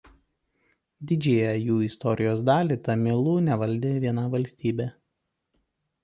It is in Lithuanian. Didžiąją jų istorijos dalį tamilų nevaldė viena valstybė.